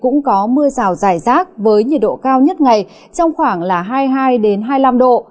cũng có mưa rào dài rác với nhiệt độ cao nhất ngày trong khoảng là hai mươi hai hai mươi năm độ